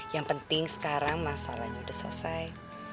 yang penting sekarang masalahnya sudah selesai